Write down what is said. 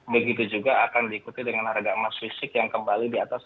begitu juga akan diikuti dengan harga emas fisik yang kembali di atas